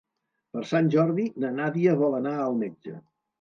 Per Sant Jordi na Nàdia vol anar al metge.